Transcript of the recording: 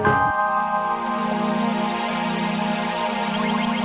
berapa lama punya karyawan amiga